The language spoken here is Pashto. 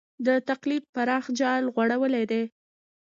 د تقلب پراخ جال غوړولی دی.